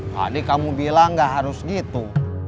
tadi kamu bilang gak harus gitu